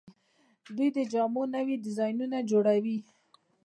دوی د جامو نوي ډیزاینونه جوړوي.